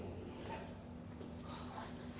ให้ใครที่วันเกี่ยว